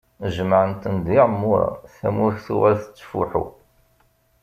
Jemɛen-ten d iɛemmuṛen, tamurt tuɣal tettfuḥu.